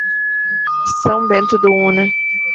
São Bento do Una